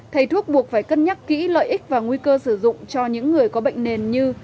thầy thuốc buộc phải cân nhắc kỹ lợi ích và nguy cơ sử dụng cho những người có bệnh nền như